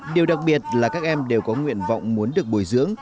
điều đặc biệt là các em đều có nguyện vọng muốn được bồi dưỡng